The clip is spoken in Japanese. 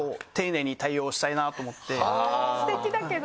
すてきだけど。